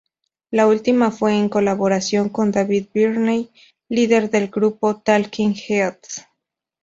La última fue en colaboración con David Byrne, líder del grupo Talking Heads.